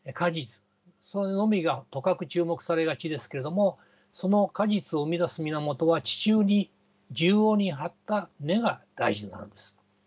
それのみがとかく注目されがちですけれどもその果実を生み出す源は地中に縦横に張った根が大事なのです。